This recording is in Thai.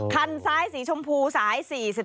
คันซ้ายสีชมพูสาย๔๔